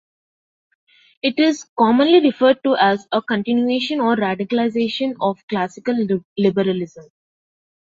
It is commonly referred to as a continuation or radicalization of classical liberalism.